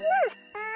うん！